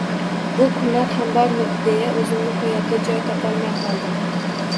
Bu kunlar ham bormidi deya o`zimni qo`yarga joy topolmay qoldim